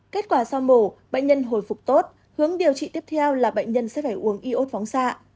kết quả sau mổ bệnh nhân hồi phục tốt hướng điều trị tiếp theo là bệnh nhân sẽ phải uống iốt phóng xạ